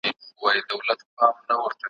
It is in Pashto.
ورونه دي بند وي د مکتبونو ,